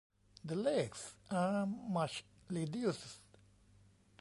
The legs are much reduced.